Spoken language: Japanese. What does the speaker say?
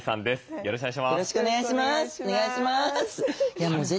よろしくお願いします。